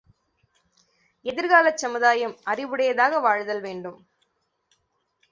எதிர்காலச் சமுதாயம் அறிவுடையதாக வாழ்தல் வேண்டும்.